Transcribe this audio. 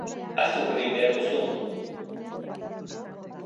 Azukrerik behar duzu?